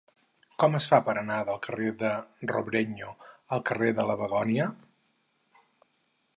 Com es fa per anar del carrer de Robrenyo al carrer de la Begònia?